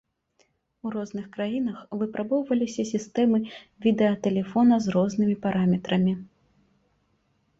У розных краінах выпрабоўваліся сістэмы відэатэлефона з рознымі параметрамі.